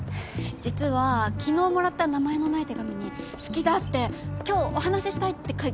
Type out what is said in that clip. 実は昨日もらった名前のない手紙に好きだって今日お話したいって書いてあって。